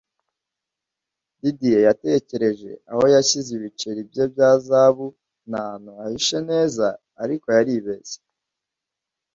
Didier yatekereje aho yashyize ibiceri bye bya zahabu ni ahantu hihishe neza. Ariko, yaribeshye.